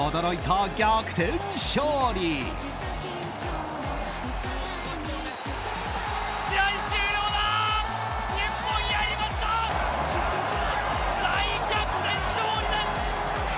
大逆転勝利です！